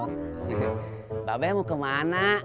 mbak be mau kemana